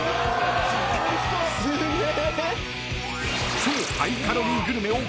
すげえ！